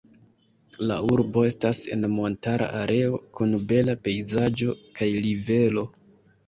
La urbo estas en montara areo kun bela pejzaĝo kaj rivero.